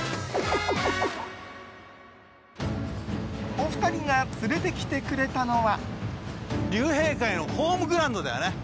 お二人が連れてきてくれたのは。